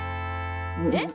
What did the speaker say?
えっ？